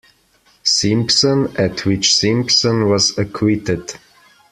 Simpson, at which Simpson was acquitted.